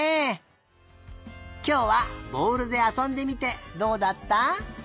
きょうはぼおるであそんでみてどうだった？